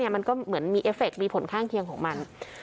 มันก็เหมือนมีเอฟเคมีผลข้างเคียงของมัน